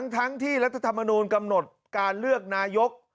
ทั้งที่รัฐธรรมนูลกำหนดการเลือกนายก